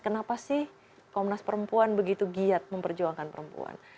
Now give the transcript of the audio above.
kenapa sih komnas perempuan begitu giat memperjuangkan perempuan